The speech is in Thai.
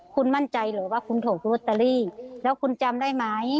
คุณมั่นใจเหรอว่าคุณถูกลอตเตอรี่แล้วคุณจำได้ไหม